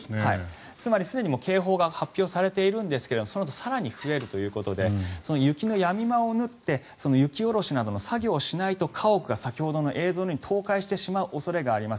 すでに警報が発表されているんですがその後、更に増えるということで雪のやみ間を縫って雪下ろしなどの作業をしないと家屋が先ほどの映像のように倒壊してしまう恐れがあります。